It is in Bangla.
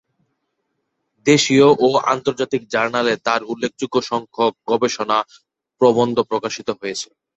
দেশীয় ও আন্তর্জাতিক জার্নালে তার উল্লেখযোগ্য সংখ্যক গবেষণা প্রবন্ধ প্রকাশিত হয়েছে।